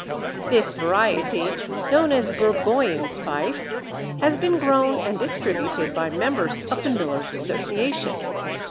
This variety, known as Burgoyne's Fife, has been grown and distributed by members of the Millers' Association.